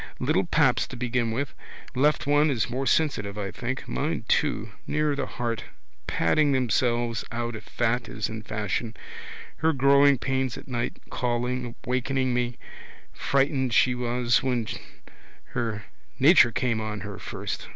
Little paps to begin with. Left one is more sensitive, I think. Mine too. Nearer the heart? Padding themselves out if fat is in fashion. Her growing pains at night, calling, wakening me. Frightened she was when her nature came on her first.